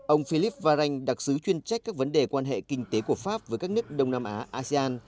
ông philip varahin đặc sứ chuyên trách các vấn đề quan hệ kinh tế của pháp với các nước đông nam á asean